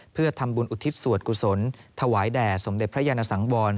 เพื่อทำบุญอุทิศส่วนกุศลถวายแด่สมเด็จพระยานสังวร